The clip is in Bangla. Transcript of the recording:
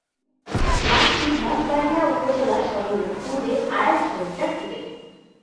গ্রামটি মঠবাড়িয়া উপজেলা সদরের পূর্বে আড়াই কিলোমিটার দূরে।